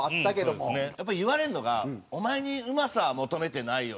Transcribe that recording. やっぱ言われるのが「お前にうまさは求めてないよ」